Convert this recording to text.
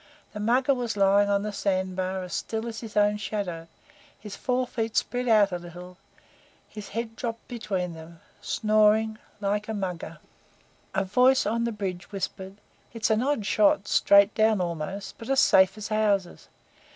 The Mugger was lying on the sand bar as still as his own shadow, his fore feet spread out a little, his head dropped between them, snoring like a mugger. A voice on the bridge whispered: "It's an odd shot straight down almost but as safe as houses.